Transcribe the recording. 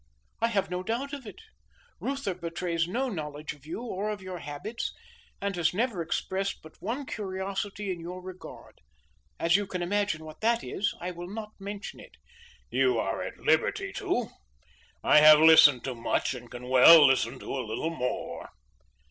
"I have no doubt of it. Reuther betrays no knowledge of you or of your habits, and has never expressed but one curiosity in your regard. As you can imagine what that is, I will not mention it." "You are at liberty to. I have listened to much and can well listen to a little more."